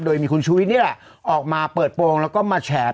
โดยมีคุณชุวิทย์เนี่ยแหละออกมาเปิดโปร่งแล้วก็มาแชร์เป็น